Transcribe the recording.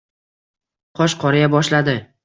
Qosh qoraya boshladi.